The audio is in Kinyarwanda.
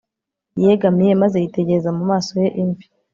yegamiye maze yitegereza mu maso ye imvi